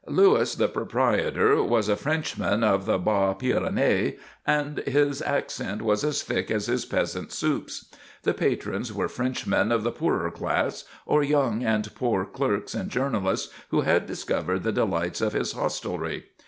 Louis, the proprietor, was a Frenchman of the Bas Pyrenees; and his accent was as thick as his peasant soups. The patrons were Frenchmen of the poorer class, or young and poor clerks and journalists who had discovered the delights of his hostelry.